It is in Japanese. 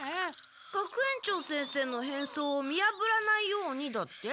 学園長先生の変装を見やぶらないようにだって？